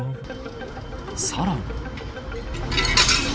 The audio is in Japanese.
さらに。